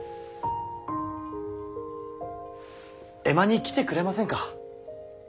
江間に来てくれませんか。